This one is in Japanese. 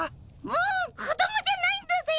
もう子供じゃないんだぜ。